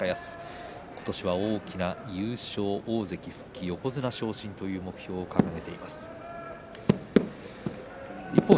今年は大きな優勝、大関復帰横綱昇進という目標を掲げています、高安です。